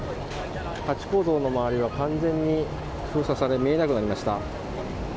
ハチ公像の周りは完全に封鎖され見えなくなりました。